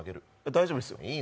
大丈夫です。